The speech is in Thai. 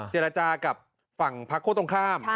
เจรจากับฝั่งภักดิ์โคตรตรงข้าม